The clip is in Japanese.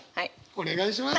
お願いします。